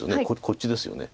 こっちですよね。